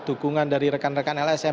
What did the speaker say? dukungan dari rekan rekan lsm